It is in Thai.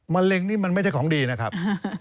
มะเร็งนี่มันไม่ใช่ของดีนะครับ